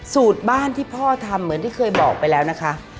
สูตรบ้านที่พ่อทำเหมือนที่เคยบอกไปแล้วนะคะ